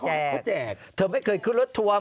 เขาแจกเธอไม่เคยขึ้นรถทัวร์